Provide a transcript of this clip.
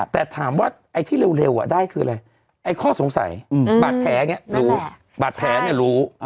แต่ถามว่าไอที่เร็วอ่ะได้คืออะไรไอข้อสงสัยบาดแผลอย่างนี้รู้